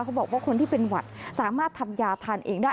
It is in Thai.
เขาบอกว่าคนที่เป็นหวัดสามารถทำยาทานเองได้